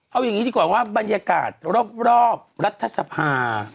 เอาอย่างนี้ดีกว่าว่าบรรยากาศรอบรัฐสภา